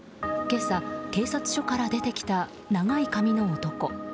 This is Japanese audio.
今朝、警察署から出てきた長い髪の男。